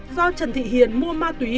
do trần thị hiền mua ma túy